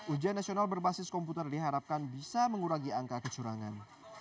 ujian nasional berbasis komputer diharapkan bisa mengurangi angka kecurangan